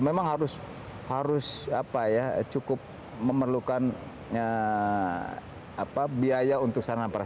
memang harus cukup memerlukan biaya untuk sarana perasa